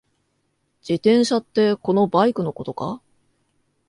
自転車ってこのバイクのことか？